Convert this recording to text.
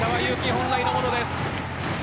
本来のものです。